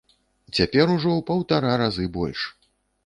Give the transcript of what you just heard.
Цяпер ужо ў паўтара разы больш!